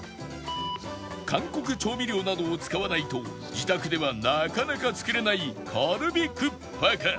韓国調味料などを使わないと自宅ではなかなか作れないカルビクッパか？